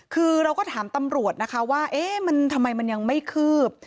คือเราก็ถามตำรวจนะคะว่าเอ๊ะมันทำไมมันยังไม่คืบ